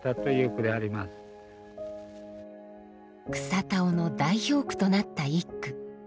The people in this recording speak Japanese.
草田男の代表句となった一句。